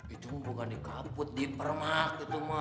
itu bukan dikabut dipermak itu mah